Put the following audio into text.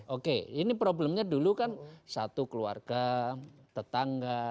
oke ini problemnya dulu kan satu keluarga tetangga